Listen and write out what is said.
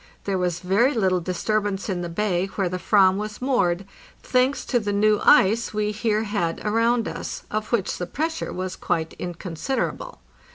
There was very little disturbance in the bay where the "ram was moored, thanks to the new ice we here had around us, of which the pressure was quite inconsiderable.